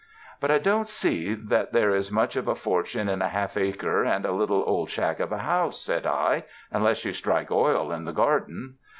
'' ''But I don't see that there is much of a fortune in a half acre and a little old shack of a house," said I, ''unless you strike oil in the garden."